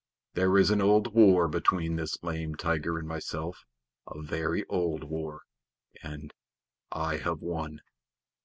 There is an old war between this lame tiger and myself a very old war, and I have won."